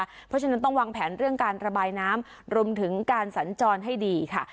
เพราะฉะนั้นต้องวางแผนเรื่องการระบายน้ำรวมถึงการสัญจรให้ดีค่ะ